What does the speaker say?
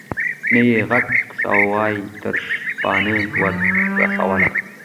نه یې ږغ سوای تر شپانه ور رسولای